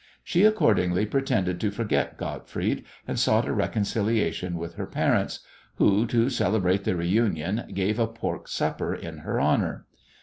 She accordingly pretended to forget Gottfried, and sought a reconciliation with her parents, who, to celebrate the reunion, gave a pork supper in her honour.